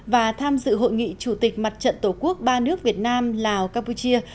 và tham dự hội nghị chủ tịch mặt trận tổ quốc ba nước việt nam lào campuchia